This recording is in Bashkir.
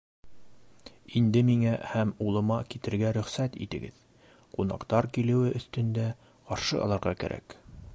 Инде миңә һәм улыма китергә рөхсәт итегеҙ: ҡунаҡтар килеү өҫтөндә - ҡаршы алырға кәрәк.